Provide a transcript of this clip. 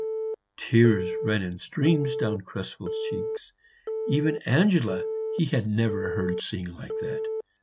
The tears ran in streams down Krespel's cheeks; even Angela he had never heard sing like that.